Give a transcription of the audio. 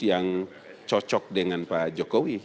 yang cocok dengan pak jokowi